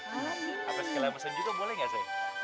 apa sekalian pesen juga boleh gak say